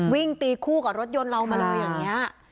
วิ่งตีคู่กับรถยนต์เรามาเลยอย่างนี้